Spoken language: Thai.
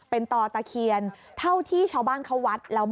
เป็นต่อตะเคียนเท่าที่ชาวบ้านเขาวัด